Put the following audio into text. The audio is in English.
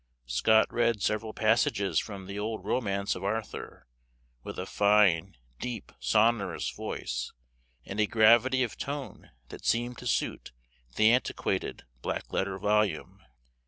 Scott read several passages from the old romance of "Arthur," with a fine, deep sonorous voice, and a gravity of tone that seemed to suit the antiquated, black letter volume.